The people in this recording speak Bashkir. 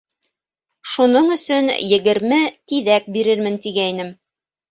Шуның өсөн егерме тиҙәк бирермен тигәйнем.